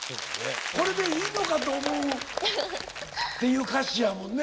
これでいいのかと思うっていう歌詞やもんね。